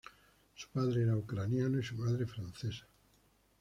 Su padre era ucraniano y su madre francesa.